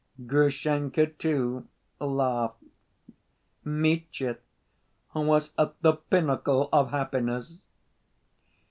Grushenka, too, laughed. Mitya was at the pinnacle of happiness.